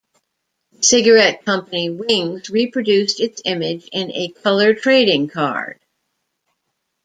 The cigarette company Wings reproduced its image in a color trading card.